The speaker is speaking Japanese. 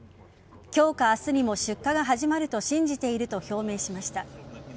今日か明日にも出荷が始まると信じていると表明しました。